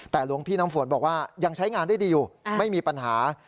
แต่หลวงพี่น้ำฝนบอกว่ายังใช้งานได้ดีอยู่ไม่มีปัญหา